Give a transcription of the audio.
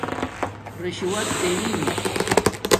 رشوت دنن